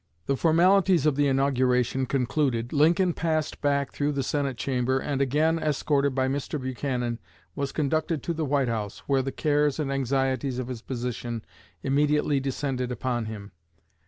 The formalities of the inauguration concluded, Lincoln passed back through the Senate Chamber, and, again escorted by Mr. Buchanan, was conducted to the White House, where the cares and anxieties of his position immediately descended upon him.